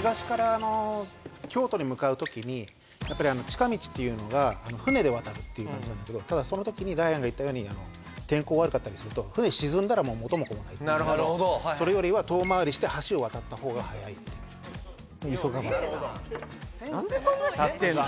東から京都に向かう時にやっぱり近道っていうのが船で渡るっていう感じなんですけどただその時にライアンが言ったように天候悪かったりすると船沈んだら元も子もないそれよりは遠回りして橋を渡った方が早いって急がば回れ・何でそんな知ってんの？